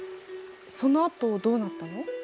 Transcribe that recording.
そのあとどうなったの？